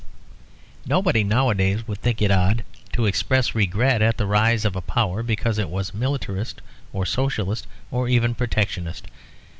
Nobody nowadays would think it odd to express regret at the rise of a power because it was Militarist or Socialist or even Protectionist.